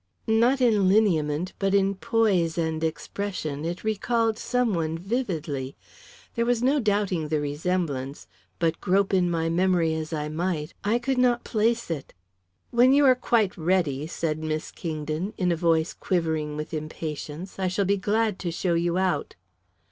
Not in lineament, but in poise and expression it recalled some one vividly. There was no doubting the resemblance, but grope in my memory as I might, I could not place it. "When you are quite ready," said Miss Kingdon, in a voice quivering with impatience, "I shall be glad to show you out."